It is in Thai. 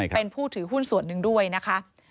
เป็นผู้ถือหุ้นส่วนหนึ่งด้วยนะคะ